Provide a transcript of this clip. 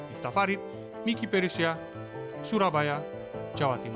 iftafarit miki perisya surabaya jawa timur